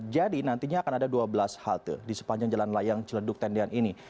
jadi nantinya akan ada dua belas halte di sepanjang jalan layang ciledug tendian ini